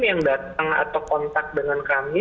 yang datang atau kontak dengan kami